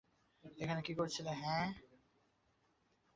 এখানে কী করছিলে, হ্যাঁ?